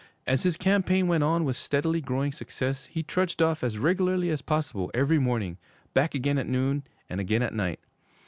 As his campaign went on with steadily growing success, he trudged off as regularly as possible every morning, back again at noon and again at night.